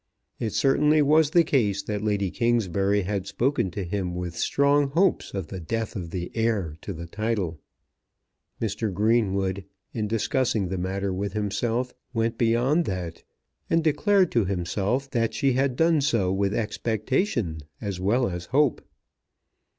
It certainly was the case that Lady Kingsbury had spoken to him with strong hopes of the death of the heir to the title. Mr. Greenwood, in discussing the matter with himself, went beyond that, and declared to himself that she had done so with expectation as well as hope.